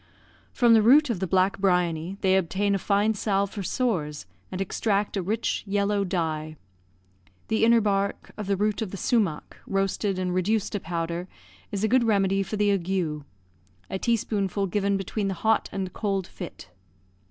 From the root of the black briony they obtain a fine salve for sores, and extract a rich yellow dye. The inner bark of the root of the sumach, roasted, and reduced to powder, is a good remedy for the ague; a teaspoonful given between the hot and cold fit.